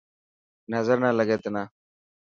نظر نه لگي تنا.